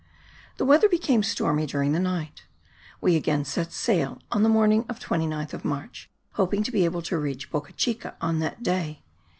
The weather became stormy during the night. We again set sail on the morning of the 29th of March, hoping to be able to reach Boca Chica that day.